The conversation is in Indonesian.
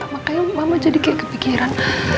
makanya mama jadi kayak kepikiran